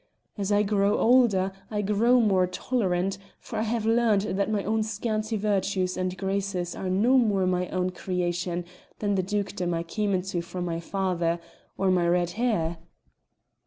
As I grow older I grow more tolerant, for I have learned that my own scanty virtues and graces are no more my own creation than the dukedom I came into from my father or my red hair."